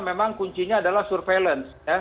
memang kuncinya adalah surveillance